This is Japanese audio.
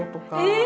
え！